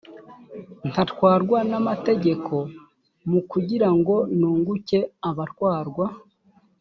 ntatwarwa n amategeko m kugira ngo nunguke abatwarwa